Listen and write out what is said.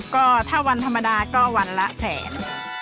ก็ถ้าวันธรรมดาก็วันละแสน